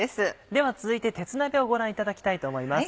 では続いて鉄鍋をご覧いただきたいと思います。